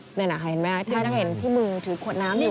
เห็นไหมที่มือถือขวดน้ำอยู่